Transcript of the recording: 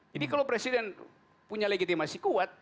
jadi kalau presiden punya legitimasi kuat